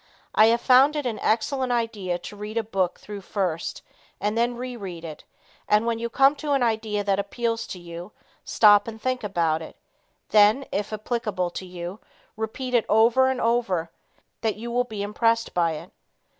I have found it an excellent idea to read a book through first, and then re read it, and when you come to an idea that appeals to you, stop and think about it, then if applicable to you, repeat it over and over, that you will be impressed by it.